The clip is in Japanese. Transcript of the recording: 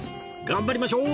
頑張りましょう！